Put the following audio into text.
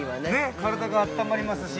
◆体があったまりますし。